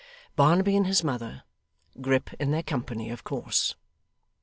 Barnaby and his mother. Grip in their company, of course.